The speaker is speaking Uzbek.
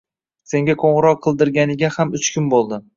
Senga qo‘ng‘iroq qildirganiga ham uch kun bo‘ldi